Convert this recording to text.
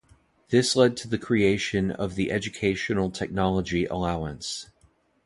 This led to the creation of the Educational Technology Allowance.